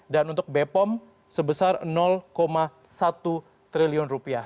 untuk bepom sebesar satu triliun rupiah